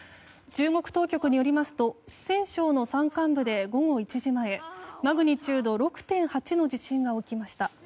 中国当局によりますと四川省の山間部で午後１時前マグニチュード６．８の地震が起きました。